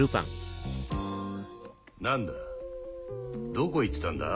どこ行ってたんだ？